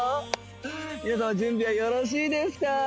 皆さま準備はよろしいですか？